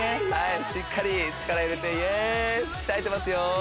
しっかり力入れてイエース鍛えてますよ